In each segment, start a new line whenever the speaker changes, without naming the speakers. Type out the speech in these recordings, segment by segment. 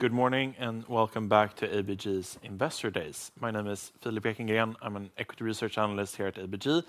Good morning and welcome back to ABG's Investor Days. My name is Philip Ekengren. I'm an equity research analyst here at ABG,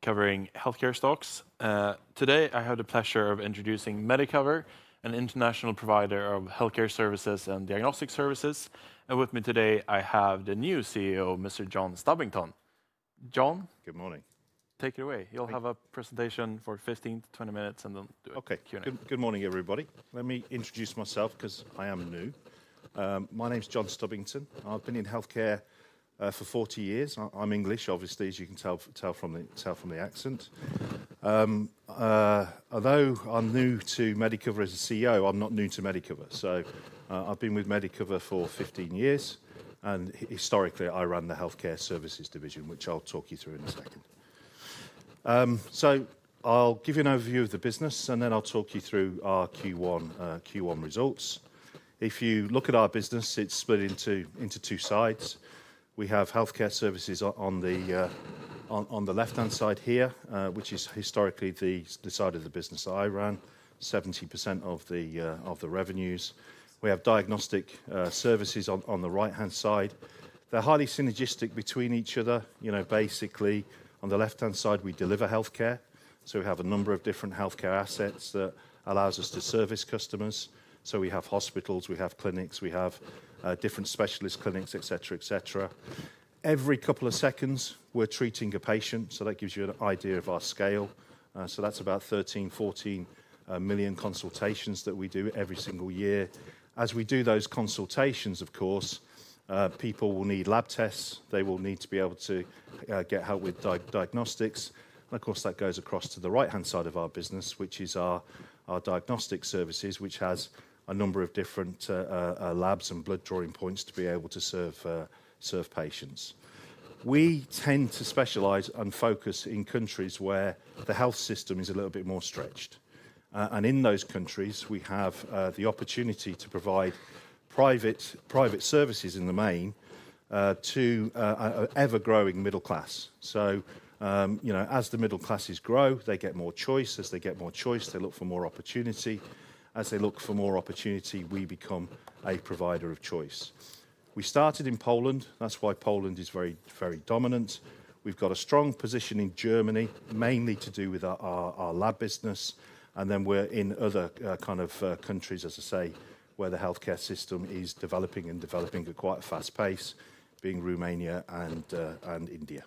covering healthcare stocks. Today I have the pleasure of introducing Medicover, an international provider of healthcare services and diagnostic services. With me today, I have the new CEO, Mr. John Stubbington. John.
Good morning.
Take it away. You'll have a presentation for 15 to 20 minutes, and then do a Q&A.
Okay. Good morning, everybody. Let me introduce myself because I am new. My name is John Stubbington. I've been in healthcare for 40 years. I'm English, obviously, as you can tell from the accent. Although I'm new to Medicover as a CEO, I'm not new to Medicover. I've been with Medicover for 15 years. Historically, I ran the healthcare services division, which I'll talk you through in a second. I'll give you an overview of the business, and then I'll talk you through our Q1 results. If you look at our business, it's split into two sides. We have healthcare services on the left-hand side here, which is historically the side of the business I ran, 70% of the revenues. We have diagnostic services on the right-hand side. They're highly synergistic between each other. Basically, on the left-hand side, we deliver healthcare. We have a number of different healthcare assets that allow us to service customers. We have hospitals, we have clinics, we have different specialist clinics, etc., etc. Every couple of seconds, we're treating a patient. That gives you an idea of our scale. That is about 13 million-14 million consultations that we do every single year. As we do those consultations, of course, people will need lab tests. They will need to be able to get help with diagnostics. Of course, that goes across to the right-hand side of our business, which is our diagnostic services, which has a number of different labs and blood drawing points to be able to serve patients. We tend to specialize and focus in countries where the health system is a little bit more stretched. In those countries, we have the opportunity to provide private services in the main to an ever-growing middle class. As the middle classes grow, they get more choice. As they get more choice, they look for more opportunity. As they look for more opportunity, we become a provider of choice. We started in Poland. That is why Poland is very dominant. We have a strong position in Germany, mainly to do with our lab business. We are in other kind of countries, as I say, where the healthcare system is developing and developing at quite a fast pace, being Romania and India.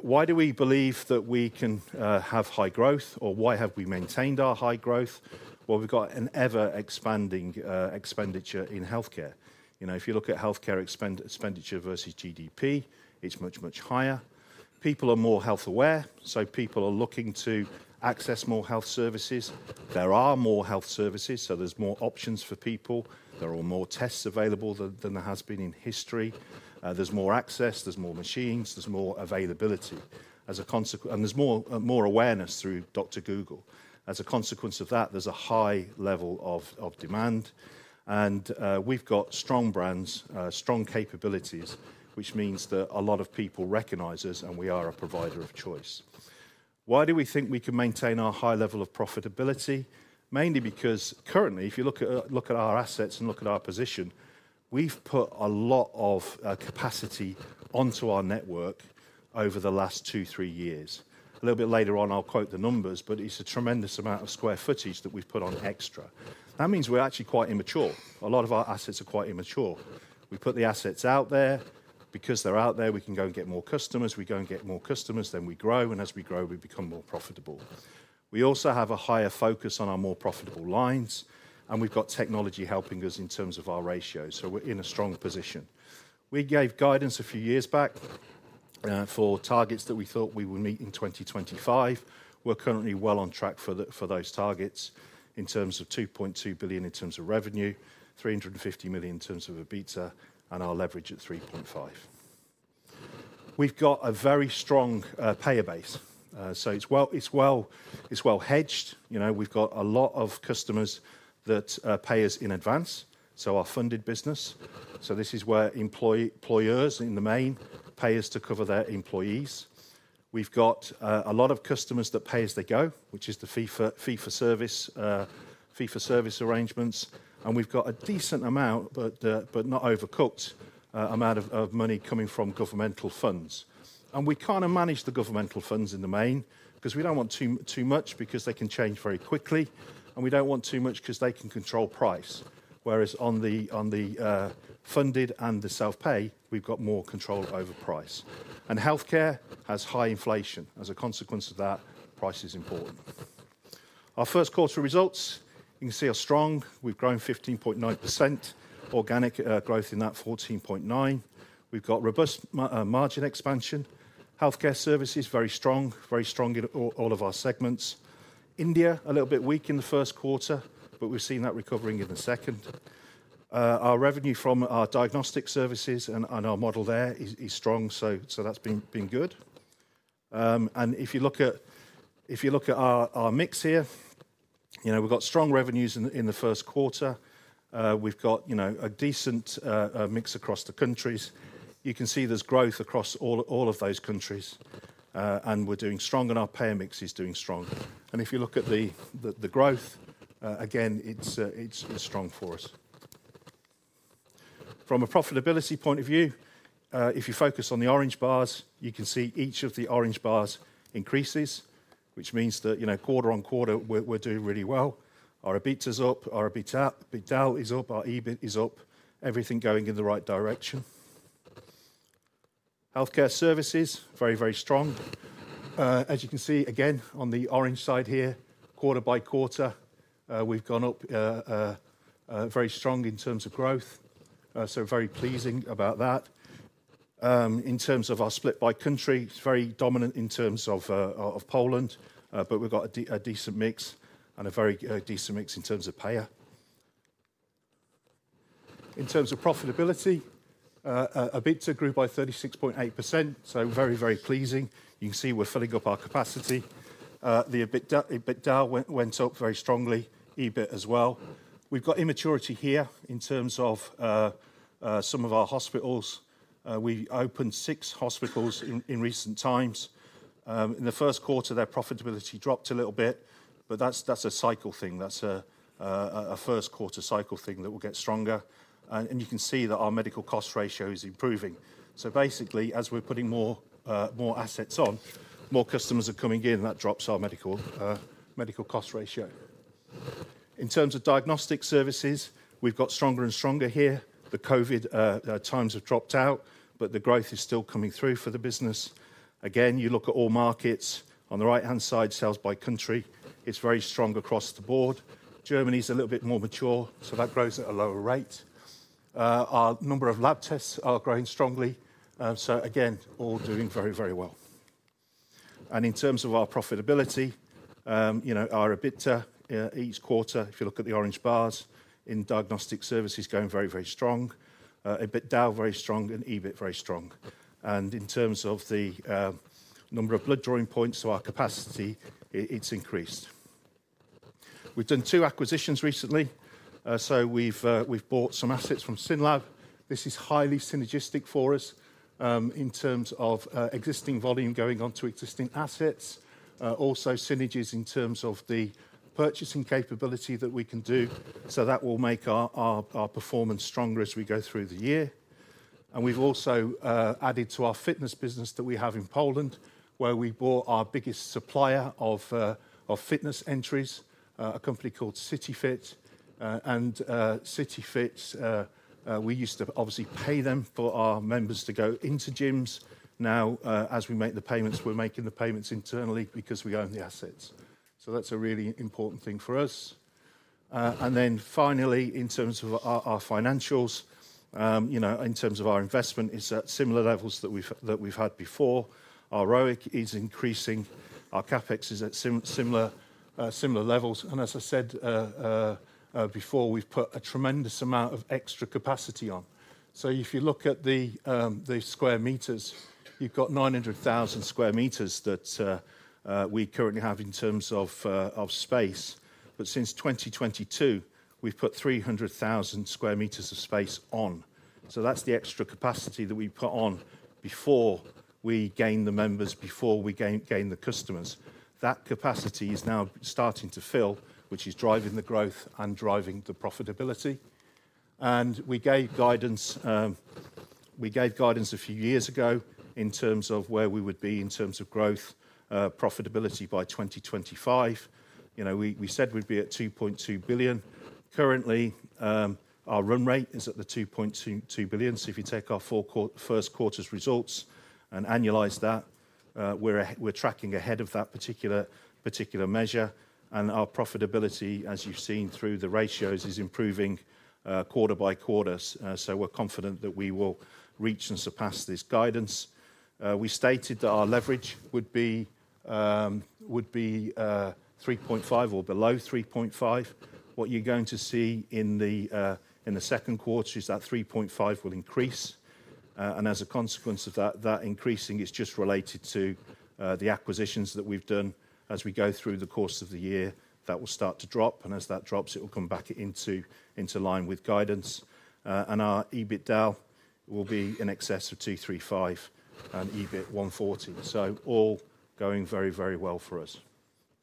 Why do we believe that we can have high growth, or why have we maintained our high growth? We have an ever-expanding expenditure in healthcare. If you look at healthcare expenditure versus GDP, it is much, much higher. People are more health aware, so people are looking to access more health services. There are more health services, so there's more options for people. There are more tests available than there has been in history. There's more access, there's more machines, there's more availability. There is more awareness through Dr. Google. As a consequence of that, there is a high level of demand. We have strong brands, strong capabilities, which means that a lot of people recognize us, and we are a provider of choice. Why do we think we can maintain our high level of profitability? Mainly because currently, if you look at our assets and look at our position, we have put a lot of capacity onto our network over the last two, three years. A little bit later on, I'll quote the numbers, but it is a tremendous amount of square footage that we have put on extra. That means we're actually quite immature. A lot of our assets are quite immature. We put the assets out there. Because they're out there, we can go and get more customers. We go and get more customers, then we grow, and as we grow, we become more profitable. We also have a higher focus on our more profitable lines, and we've got technology helping us in terms of our ratios. We're in a strong position. We gave guidance a few years back for targets that we thought we would meet in 2025. We're currently well on track for those targets in terms of 2.2 billion in terms of revenue, 350 million in terms of EBITDA, and our leverage at 3.5. We've got a very strong payer base. It's well hedged. We've got a lot of customers that pay us in advance, so our funded business. This is where employers in the main pay us to cover their employees. We've got a lot of customers that pay as they go, which is the fee-for-service arrangements. We've got a decent amount, but not overcooked, amount of money coming from governmental funds. We kind of manage the governmental funds in the main because we don't want too much because they can change very quickly. We don't want too much because they can control price. Whereas on the funded and the self-pay, we've got more control over price. Healthcare has high inflation. As a consequence of that, price is important. Our first quarter results, you can see, are strong. We've grown 15.9%. Organic growth in that 14.9%. We've got robust margin expansion. Healthcare services, very strong, very strong in all of our segments. India, a little bit weak in the first quarter, but we've seen that recovering in the second. Our revenue from our diagnostic services and our model there is strong, so that's been good. If you look at our mix here, we've got strong revenues in the first quarter. We've got a decent mix across the countries. You can see there's growth across all of those countries. We're doing strong, and our payer mix is doing strong. If you look at the growth, again, it's strong for us. From a profitability point of view, if you focus on the orange bars, you can see each of the orange bars increases, which means that quarter on quarter, we're doing really well. Our EBITDA is up, our EBITDA is up, our EBIT is up. Everything going in the right direction. Healthcare services, very, very strong. As you can see, again, on the orange side here, quarter by quarter, we have gone up very strong in terms of growth. Very pleasing about that. In terms of our split by country, it is very dominant in terms of Poland, but we have got a decent mix and a very decent mix in terms of payer. In terms of profitability, EBITDA grew by 36.8%, so very, very pleasing. You can see we are filling up our capacity. The EBITDA went up very strongly, EBIT as well. We have got immaturity here in terms of some of our hospitals. We opened six hospitals in recent times. In the first quarter, their profitability dropped a little bit, but that is a cycle thing. That is a first quarter cycle thing that will get stronger. You can see that our medical cost ratio is improving. Basically, as we're putting more assets on, more customers are coming in, that drops our medical cost ratio. In terms of diagnostic services, we've got stronger and stronger here. The COVID times have dropped out, but the growth is still coming through for the business. Again, you look at all markets, on the right-hand side, sales by country, it's very strong across the board. Germany is a little bit more mature, so that grows at a lower rate. Our number of lab tests are growing strongly. Again, all doing very, very well. In terms of our profitability, our EBITDA each quarter, if you look at the orange bars, in diagnostic services going very, very strong. EBITDA very strong and EBIT very strong. In terms of the number of blood drawing points to our capacity, it's increased. We've done two acquisitions recently. We've bought some assets from SYNLAB. This is highly synergistic for us in terms of existing volume going on to existing assets. Also synergies in terms of the purchasing capability that we can do. That will make our performance stronger as we go through the year. We've also added to our fitness business that we have in Poland, where we bought our biggest supplier of fitness entries, a company called CityFit. CityFit, we used to obviously pay them for our members to go into gyms. Now, as we make the payments, we're making the payments internally because we own the assets. That's a really important thing for us. Finally, in terms of our financials, in terms of our investment, it's at similar levels that we've had before. Our ROIC is increasing. Our CapEx is at similar levels. As I said before, we've put a tremendous amount of extra capacity on. If you look at the square meters, you've got 900,000 sq m that we currently have in terms of space. Since 2022, we've put 300,000 sq m of space on. That is the extra capacity that we put on before we gained the members, before we gained the customers. That capacity is now starting to fill, which is driving the growth and driving the profitability. We gave guidance a few years ago in terms of where we would be in terms of growth, profitability by 2025. We said we'd be at 2.2 billion. Currently, our run rate is at the 2.2 billion. If you take our first quarter's results and annualize that, we're tracking ahead of that particular measure. Our profitability, as you've seen through the ratios, is improving quarter by quarter. We are confident that we will reach and surpass this guidance. We stated that our leverage would be 3.5 or below 3.5. What you are going to see in the second quarter is that 3.5 will increase. As a consequence of that, that increasing is just related to the acquisitions that we have done. As we go through the course of the year, that will start to drop. As that drops, it will come back into line with guidance. Our EBITDA will be in excess of 235 million and EBIT 140 million. All going very, very well for us.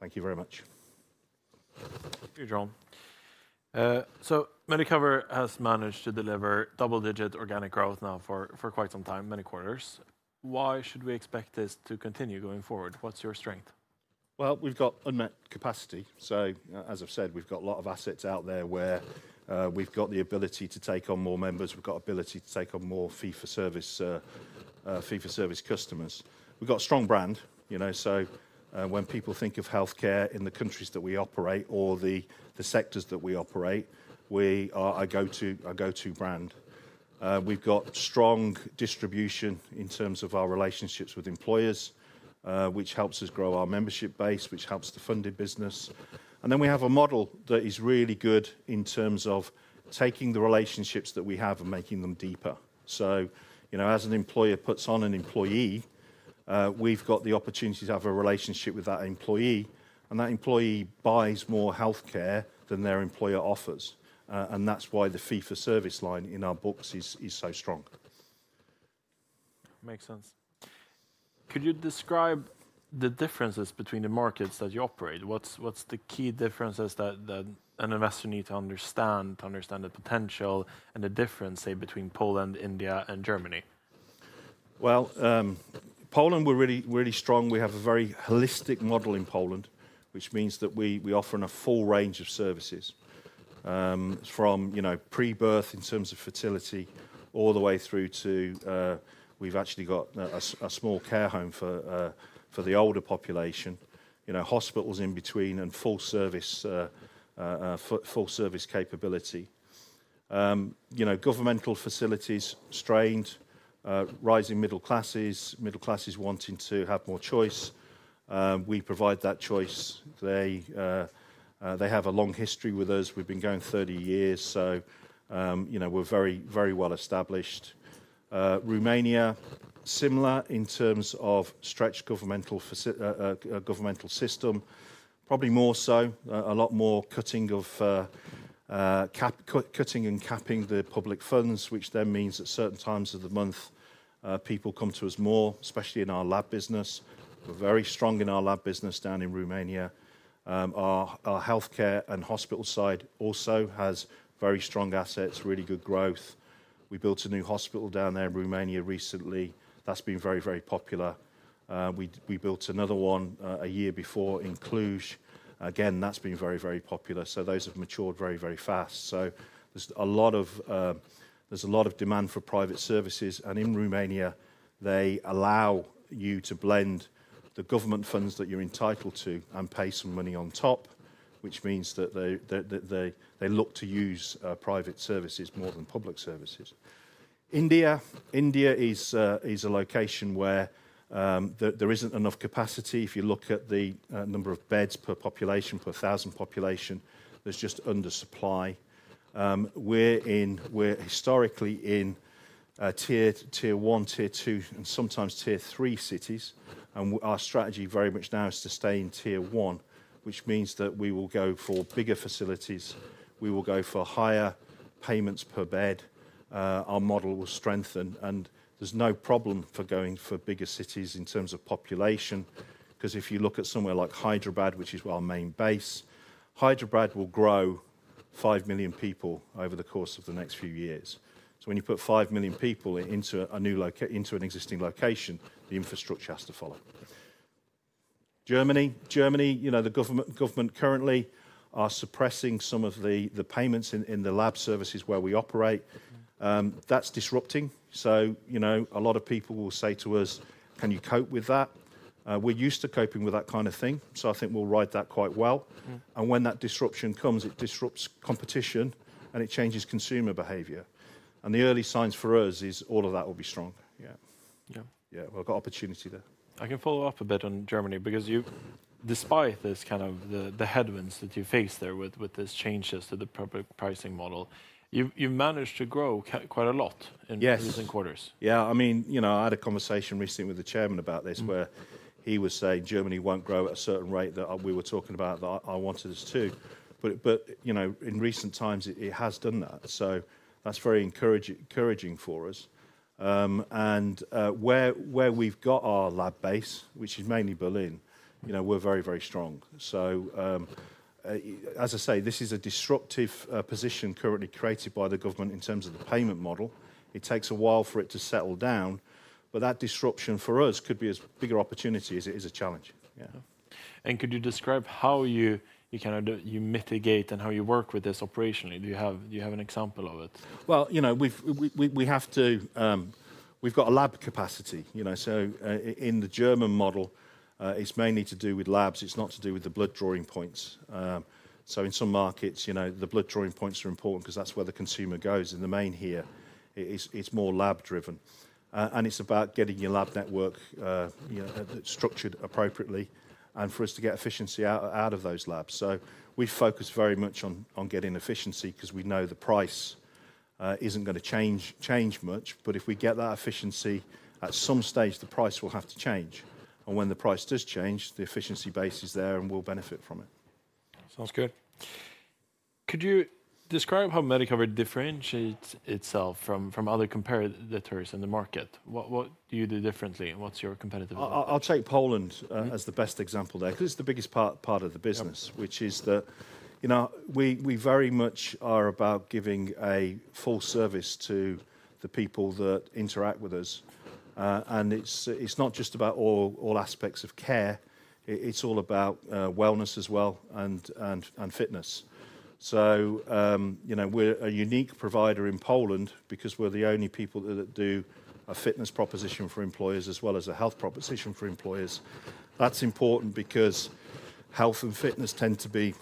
Thank you very much.
Thank you, John. Medicover has managed to deliver double-digit organic growth now for quite some time, many quarters. Why should we expect this to continue going forward? What is your strength?
We have got unmet capacity. As I have said, we have got a lot of assets out there where we have got the ability to take on more members. We have got the ability to take on more fee-for-service customers. We have got a strong brand. When people think of healthcare in the countries that we operate or the sectors that we operate, we are our go-to brand. We have got strong distribution in terms of our relationships with employers, which helps us grow our membership base, which helps the funded business. We have a model that is really good in terms of taking the relationships that we have and making them deeper. As an employer puts on an employee, we have got the opportunity to have a relationship with that employee. That employee buys more healthcare than their employer offers. That is why the fee-for-service line in our books is so strong.
Makes sense. Could you describe the differences between the markets that you operate? What are the key differences that an investor needs to understand to understand the potential and the difference, say, between Poland, India, and Germany?
Poland is where we are really strong. We have a very holistic model in Poland, which means that we offer a full range of services from pre-birth in terms of fertility all the way through to we have actually got a small care home for the older population, hospitals in between, and full-service capability. Governmental facilities are strained, rising middle classes, middle classes wanting to have more choice. We provide that choice. They have a long history with us. We have been going 30 years. We are very, very well established. Romania, similar in terms of stretched governmental system, probably more so, a lot more cutting and capping the public funds, which then means at certain times of the month, people come to us more, especially in our lab business. We are very strong in our lab business down in Romania. Our healthcare and hospital side also has very strong assets, really good growth. We built a new hospital down there in Romania recently. That has been very, very popular. We built another one a year before in Cluj. Again, that has been very, very popular. Those have matured very, very fast. There is a lot of demand for private services. In Romania, they allow you to blend the government funds that you are entitled to and pay some money on top, which means that they look to use private services more than public services. India, India is a location where there isn't enough capacity. If you look at the number of beds per population, per thousand population, there's just undersupply. We're historically in tier one, tier two, and sometimes tier three cities. Our strategy very much now is to stay in Tier One, which means that we will go for bigger facilities. We will go for higher payments per bed. Our model will strengthen. There's no problem for going for bigger cities in terms of population. If you look at somewhere like Hyderabad, which is our main base, Hyderabad will grow 5 million people over the course of the next few years. When you put 5 million people into an existing location, the infrastructure has to follow. Germany, the government currently are suppressing some of the payments in the lab services where we operate. That's disrupting. A lot of people will say to us, can you cope with that? We're used to coping with that kind of thing. I think we'll ride that quite well. When that disruption comes, it disrupts competition and it changes consumer behavior. The early signs for us is all of that will be strong. Yeah.
Yeah.
Yeah. We've got opportunity there.
I can follow up a bit on Germany because despite this kind of the headwinds that you face there with this change to the public pricing model, you've managed to grow quite a lot in recent quarters.
Yeah. I mean, I had a conversation recently with the chairman about this where he was saying Germany will not grow at a certain rate that we were talking about that I wanted us to. In recent times, it has done that. That is very encouraging for us. Where we have our lab base, which is mainly Berlin, we are very, very strong. This is a disruptive position currently created by the government in terms of the payment model. It takes a while for it to settle down. That disruption for us could be as big an opportunity as it is a challenge.
Could you describe how you mitigate and how you work with this operationally? Do you have an example of it?
We have a lab capacity. In the German model, it is mainly to do with labs. It is not to do with the blood drawing points. In some markets, the blood drawing points are important because that is where the consumer goes. In the main here, it is more lab-driven. It is about getting your lab network structured appropriately and for us to get efficiency out of those labs. We focus very much on getting efficiency because we know the price isn't going to change much. If we get that efficiency, at some stage, the price will have to change. When the price does change, the efficiency base is there and we'll benefit from it.
Sounds good. Could you describe how Medicover differentiates itself from other competitors in the market? What do you do differently and what's your competitive advantage?
I'll take Poland as the best example there because it's the biggest part of the business, which is that we very much are about giving a full service to the people that interact with us. It's not just about all aspects of care. It's all about wellness as well and fitness. We're a unique provider in Poland because we're the only people that do a fitness proposition for employers as well as a health proposition for employers. That's important because health and fitness tend to be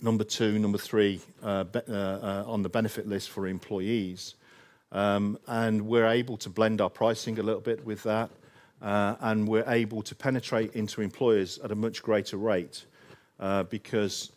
number two, number three on the benefit list for employees. We're able to blend our pricing a little bit with that. We're able to penetrate into employers at a much greater rate because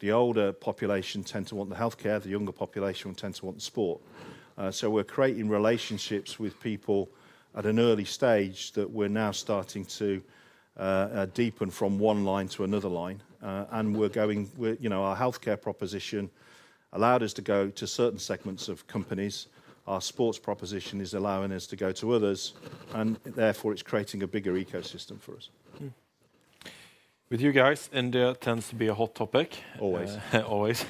the older population tend to want the healthcare, the younger population tend to want the sport. We're creating relationships with people at an early stage that we're now starting to deepen from one line to another line. Our healthcare proposition allowed us to go to certain segments of companies. Our sports proposition is allowing us to go to others. Therefore, it's creating a bigger ecosystem for us.
With you guys, India tends to be a hot topic.
Always.
Always.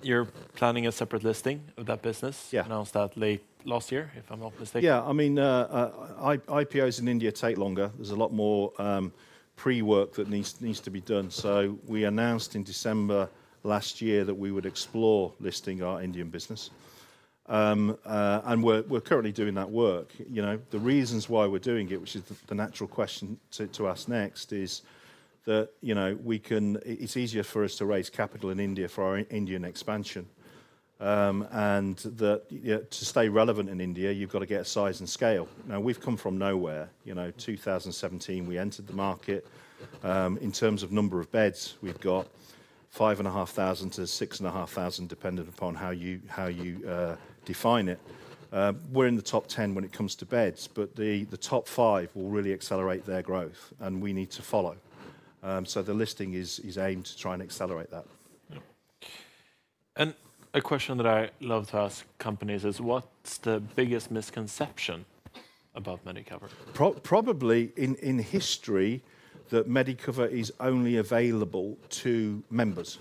You're planning a separate listing of that business?
Yeah.
Announced that late last year, if I'm not mistaken.
Yeah. I mean, IPOs in India take longer. There's a lot more pre-work that needs to be done. We announced in December last year that we would explore listing our Indian business. We're currently doing that work. The reasons why we're doing it, which is the natural question to ask next, is that it's easier for us to raise capital in India for our Indian expansion. To stay relevant in India, you've got to get a size and scale. Now, we've come from nowhere. In 2017, we entered the market. In terms of number of beds, we've got 5,500-6,500, depending upon how you define it. We're in the top 10 when it comes to beds. The top five will really accelerate their growth. We need to follow. The listing is aimed to try and accelerate that.
A question that I love to ask companies is, what's the biggest misconception about Medicover?
Probably in history that Medicover is only available to members.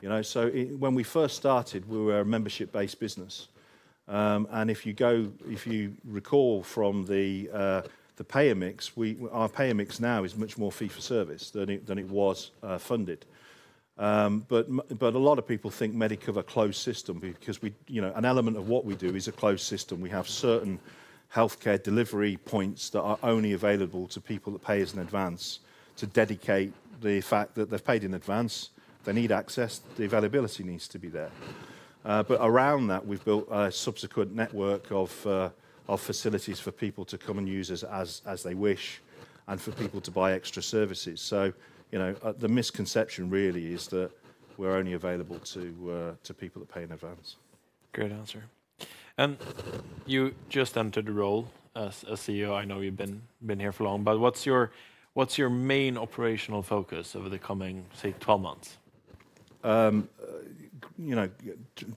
When we first started, we were a membership-based business. If you recall from the payer mix, our payer mix now is much more fee-for-service than it was funded. A lot of people think Medicover is a closed system because an element of what we do is a closed system. We have certain healthcare delivery points that are only available to people that pay us in advance to dedicate the fact that they've paid in advance. They need access. The availability needs to be there. Around that, we've built a subsequent network of facilities for people to come and use as they wish and for people to buy extra services. The misconception really is that we're only available to people that pay in advance.
Great answer. You just entered the role as CEO. I know you've been here for long. What's your main operational focus over the coming, say, 12 months?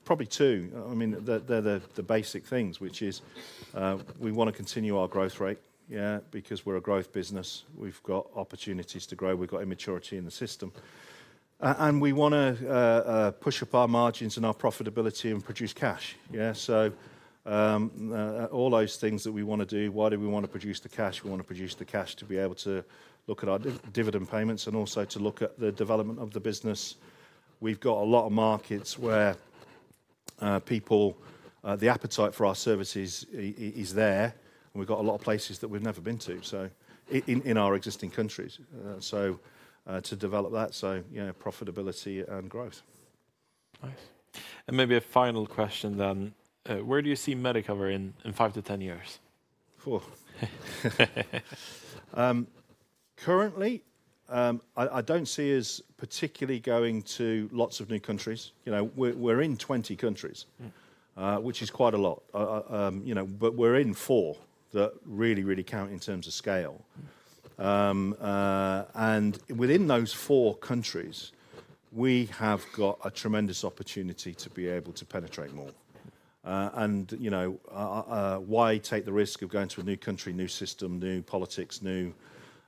Probably two. I mean, they're the basic things, which is we want to continue our growth rate, yeah, because we're a growth business. We've got opportunities to grow. We've got immaturity in the system. We want to push up our margins and our profitability and produce cash. Yeah. All those things that we want to do, why do we want to produce the cash? We want to produce the cash to be able to look at our dividend payments and also to look at the development of the business. We've got a lot of markets where the appetite for our services is there. We've got a lot of places that we've never been to in our existing countries to develop that, so profitability and growth.
Nice. Maybe a final question then. Where do you see Medicover in 5 to 10 years?
Currently, I don't see us particularly going to lots of new countries. We're in 20 countries, which is quite a lot. We're in four that really, really count in terms of scale. Within those four countries, we have got a tremendous opportunity to be able to penetrate more. Why take the risk of going to a new country, new system, new politics,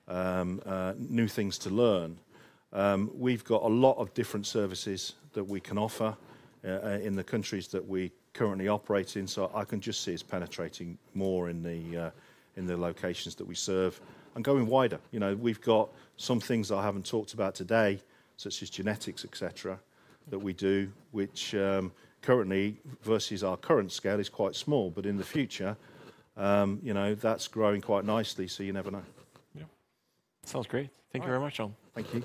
new things to learn? We've got a lot of different services that we can offer in the countries that we currently operate in. I can just see us penetrating more in the locations that we serve and going wider. We've got some things I haven't talked about today, such as genetics, etc., that we do, which currently, versus our current scale, is quite small. In the future, that's growing quite nicely. You never know. Yeah. Sounds great. Thank you very much, John.
Thank you.